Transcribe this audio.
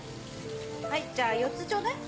はいじゃあ４つちょうだい。